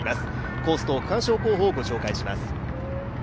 コースと区間賞候補をご紹介します。